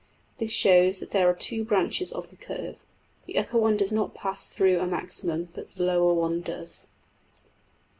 This shows that there are two branches of the curve; the upper one does not pass through a maximum, but the lower one does.